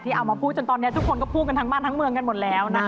เอามาพูดจนตอนนี้ทุกคนก็พูดกันทั้งบ้านทั้งเมืองกันหมดแล้วนะ